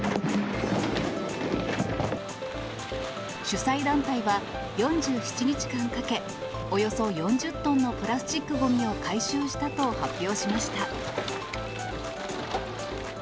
主催団体は、４７日間かけ、およそ４０トンのプラスチックごみを回収したと発表しました。